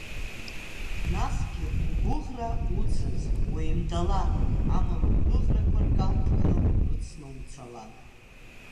Насгьы, угәыӷра уцыз, уеимдала, амала, угәыӷрақәа ркалҭ кны урыцны умцалан!